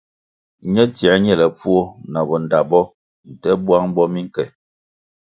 Ñe tsiē ñelepfuo na bo ndta bo, nte bwang bo minke.